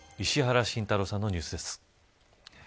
石原慎太郎さんのニュースです。